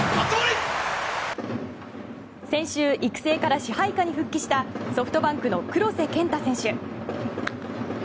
先週、育成から支配下に復帰したソフトバンクの黒瀬健太選手。